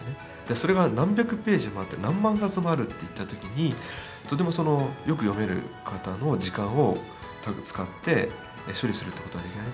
それが何百ページもあって何万冊もあるっていった時にとてもよく読める方の時間を使って処理する事はできない。